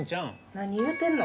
何言うてんの。